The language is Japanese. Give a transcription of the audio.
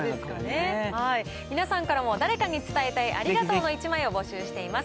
皆さんからも、誰かに伝えたいありがとうの１枚を募集しています。